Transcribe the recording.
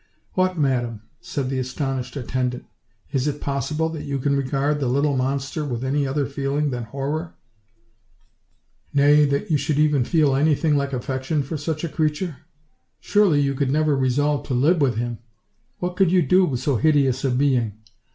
"What, madam!" said the astonished attendant, "is it possible that you can regard the little monster with any other feeling than horror; nay, that you should even feel 156 OLD, OLD FA1RT TALES. anything like affection for such a creature? Surely you could never resolve to live with him? What could you do with so hideous a being?